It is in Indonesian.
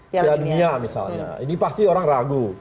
piala dunia misalnya ini pasti orang ragu